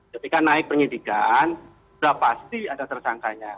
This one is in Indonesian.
ketika naik penyidikan sudah pasti ada tersangkanya